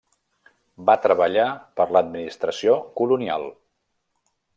Va treballar per l'administració colonial.